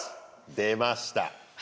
出ました。